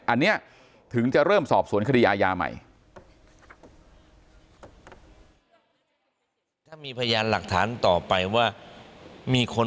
อันนี้ถึงจะเริ่มสอบสวนคดีอาญาใหม่